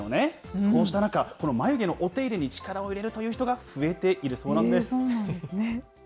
そうした中、この眉毛のお手入れに力を入れるという人が増えているそうなんです。